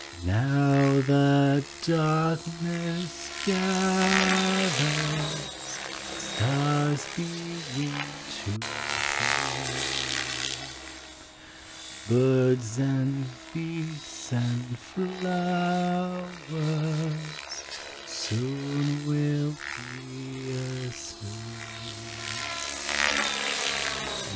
Now the darkness gathers, Stars begin to peep, Birds and beasts and llowers Soon will be asleep.